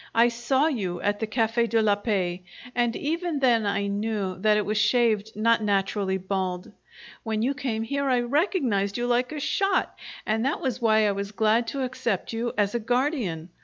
I saw you at the Cafe' de la Paix, and even then I knew that it was shaved, not naturally bald. When you came here I recognized you like a shot, and that was why I was glad to accept you as a guardian.